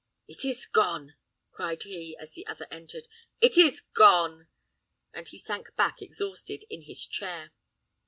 "It is gone!" cried he, as the other entered. "It is gone!" And he sank back exhausted in his chair.